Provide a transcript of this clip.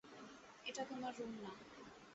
এটা তোমার রূম না।